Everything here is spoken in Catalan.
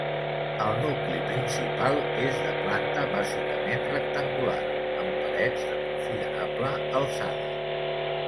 El nucli principal és de planta bàsicament rectangular, amb parets de considerable alçada.